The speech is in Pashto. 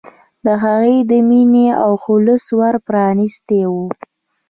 د هغه د مینې او خلوص ور پرانستی و.